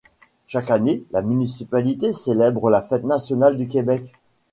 Chaque année, la municipalité célèbre la Fête nationale du Québec.